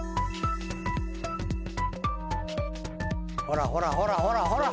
ほらほらほらほらほら。